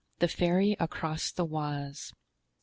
The Ferry across the Oise.